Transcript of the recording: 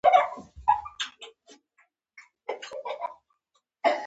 د ټولو جوماتونو امامانو او خطیبانو لست جوړ شي.